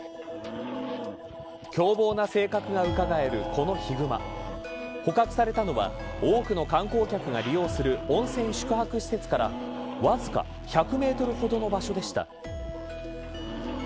凶暴な性格がうかがえるこのヒグマ捕獲されたのは多くの観光客が利用する温泉宿泊施設からわずか１００メートルほどの場所でした。